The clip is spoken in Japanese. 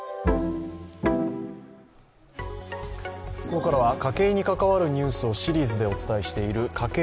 ここからは家計に関わるニュースをシリーズでお伝えしている家計